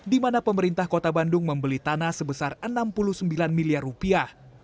di mana pemerintah kota bandung membeli tanah sebesar enam puluh sembilan miliar rupiah